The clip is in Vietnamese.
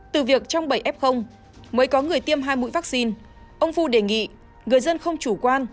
từ việc trong bảy f mới có người tiêm hai mũi vaccine ông phu đề nghị người dân không chủ quan